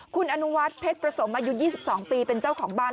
คุณอนุวัฒน์เพชรประสมอายุ๒๒ปีเป็นเจ้าของบ้าน